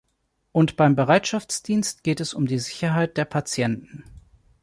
Und beim Bereitschaftsdienst geht es um die Sicherheit der Patienten.